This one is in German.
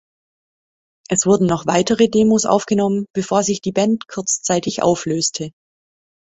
Es wurden noch weitere Demos aufgenommen, bevor sich die Band kurzzeitig auflöste.